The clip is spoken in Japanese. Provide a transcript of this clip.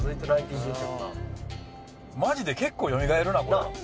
マジで結構よみがえるなこれ。